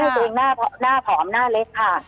ตัวเองหน้าผอมหน้าเล็กค่ะ